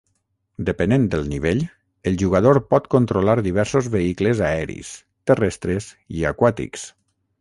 Depenent del nivell, el jugador pot controlar diversos vehicles aeris, terrestres i aquàtics.